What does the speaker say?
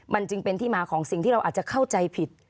มันจึงเป็นที่มาของสิ่งที่เราอาจจะเข้าใจผิด